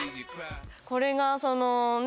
これがそのね